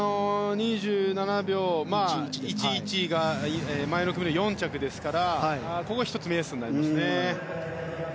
２７秒１１が前の組の４着ですからここが１つ、目安になりますね。